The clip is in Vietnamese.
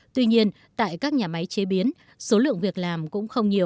tuy nhiên tại các nhà máy chế biến số lượng việc làm cũng không nhiều